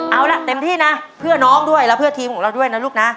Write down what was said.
เอาละเต็มที่นะเพื่อน้องด้วยและเพื่อทีมของเราด้วยนะลูกนะ